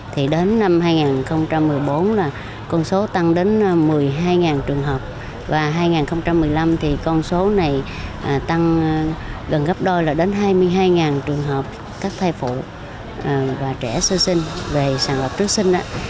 thì đến năm hai nghìn một mươi bốn là con số tăng đến một mươi hai trường hợp và hai nghìn một mươi năm thì con số này tăng gần gấp đôi là đến hai mươi hai trường hợp các thai phụ và trẻ sơ sinh về sàn lọc trước sinh